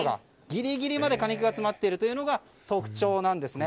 ギリギリまで果肉が詰まっているというのが特徴なんです。